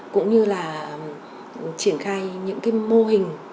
cũng như là triển khai những mô hình